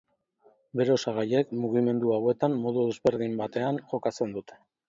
Bere osagaiek, mugimendu hauetan modu ezberdin batean jokatzen dute.